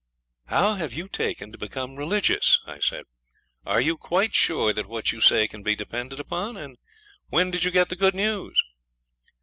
'How have you taken to become religious?' I said. 'Are you quite sure that what you say can be depended upon? And when did you get the good news?'